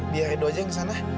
biar edo aja yang kesana